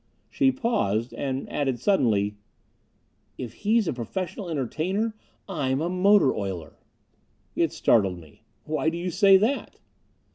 She paused, and added suddenly, "If he's a professional entertainer, I'm a motor oiler." It startled me. "Why do you say that?"